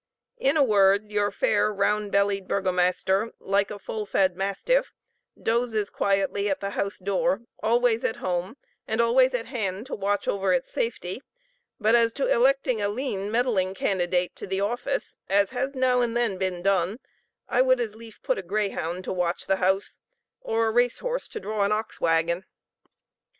In a word, your fair, round bellied burgomaster, like a full fed mastiff, dozes quietly at the house door, always at home, and always at hand to watch over its safety; but as to electing a lean, meddling candidate to the office, as has now and then been done, I would as lief put a greyhound to watch the house, or a racehorse to draw an ox wagon.